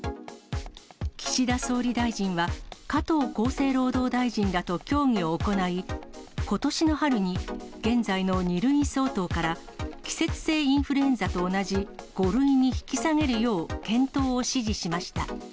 岸田総理大臣は、加藤厚生労働大臣らと協議を行い、ことしの春に現在の２類相当から、季節性インフルエンザと同じ５類に引き下げるよう検討を指示しました。